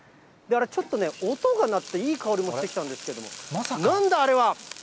ちょっとね、音が鳴って、いい香りもしてきたんですけれども、なんだあれは？